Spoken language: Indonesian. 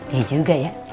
iya juga ya